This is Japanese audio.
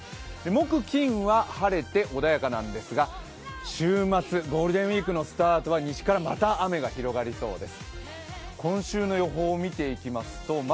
木金は晴れて穏やかなんですが週末、ゴールデンウイークのスタートは西からまた雨が広がりそうです。